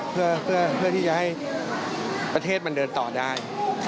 เพื่อที่จะให้ประเทศมันเดินต่อได้